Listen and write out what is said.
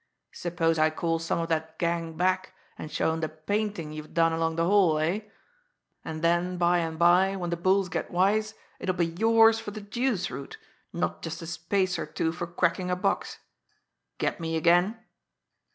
Suppose I call some of that gang back, and show 'em the painting you've done along the hall eh? And then, by and by, when the bulls get wise, it'll be yours for the juice route, not just a space or two for cracking a box! Get me again?"